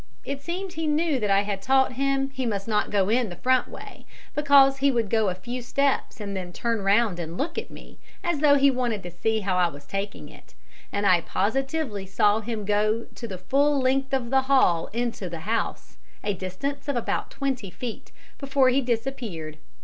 It seemed he knew that I had taught him he must not go in the front way, because he would go a few steps and then turn round and look at me, as though he wanted to see how I was taking it, and I positively saw him go to the full length of the hall into the house, a distance of about twenty feet, before he disappeared.